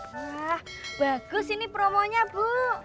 wah bagus ini promonya bu